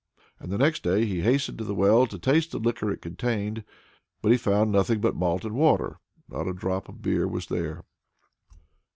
And next day he hastened to the well to taste the liquor it contained; but he found nothing but malt and water; not a drop of beer was there.